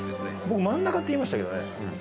僕真ん中って言いましたけどね。